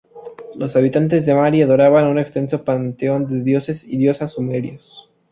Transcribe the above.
Los habitantes de Mari adoraban a un extenso panteón de dioses y diosas sumerios.